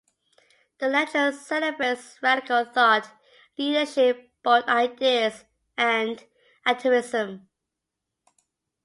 The lecture celebrates radical thought, leadership, bold ideas and activism.